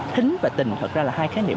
thính và tình thật ra là hai khái niệm